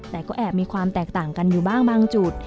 แต่ก็แอบมีความแตกต่างกันอยู่บ้างบางจุด